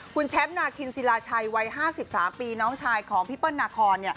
คุณแชมป์นาคินศิลาชัยวัย๕๓ปีน้องชายของพี่เปิ้ลนาคอน